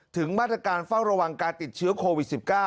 ถึงมาตรการเฝ้าระวังการติดเชื้อโควิด๑๙